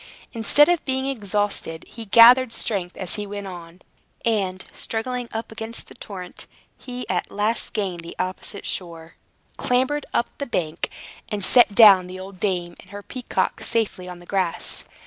Instead of being exhausted, he gathered strength as he went on; and, struggling up against the torrent, he at last gained the opposite shore, clambered up the bank, and set down the old dame and her peacock safely on the grass.